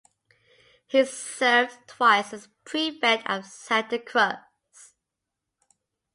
He served twice as prefect of Santa Cruz.